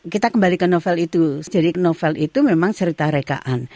kita kembali ke novel itu jadi novel itu memang cerita rekaan